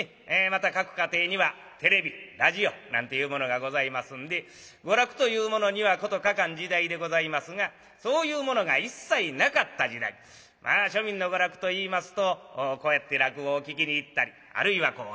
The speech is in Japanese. また各家庭にはテレビラジオなんていうものがございますんで娯楽というものには事欠かん時代でございますがそういうものが一切なかった時代庶民の娯楽といいますとこうやって落語を聴きに行ったりあるいは相撲を見に行ったりね。